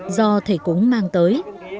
do thầy cúng mang tới